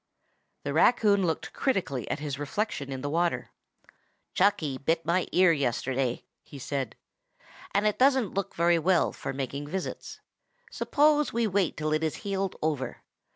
The raccoon looked critically at his reflection in the water. "Chucky bit my ear yesterday," he said, "and it doesn't look very well for making visits. Suppose we wait till it is healed over.